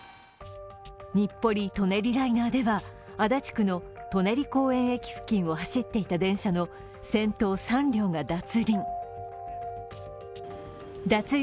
日暮里・舎人ライナーでは、足立区の舎人公園駅付近を走っていた電車の先頭３両が脱輪。